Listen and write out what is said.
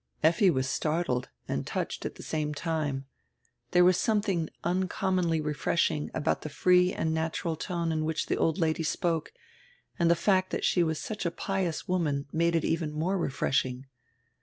Effi was startled and touched at the same time. There was somediing uncommonly refreshing about die free and natural tone in which die old lady spoke, and die fact diat she was such a pious woman made it even more refreshing.